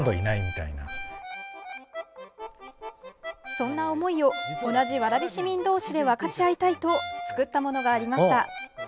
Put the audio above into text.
そんな思いを同じ蕨市民同士で分かち合いたいと作ったものがありました。